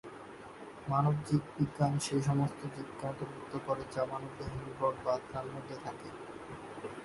মানব জীববিজ্ঞান সেই সমস্ত জীবকে অন্তর্ভুক্ত করে যা মানবদেহ নির্ভর বা তার মধ্যে থাকে।